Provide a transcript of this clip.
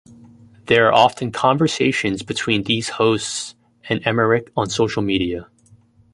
There are often conversations between these hosts and Emmerich on social media.